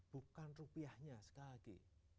bukan rupiahnya sekali lagi